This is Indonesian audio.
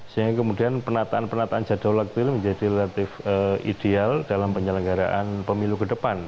sehingga kemudian penataan penataan jadwal waktu itu menjadi relatif ideal dalam penyelenggaraan pemilu ke depan